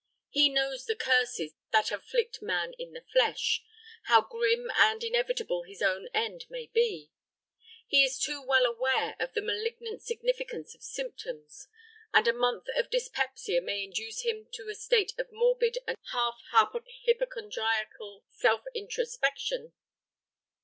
He knows the curses that afflict man in the flesh, how grim and inevitable his own end may be. He is too well aware of the malignant significance of symptoms, and a month of dyspepsia may reduce him to a state of morbid and half hypocondriacal self introspection.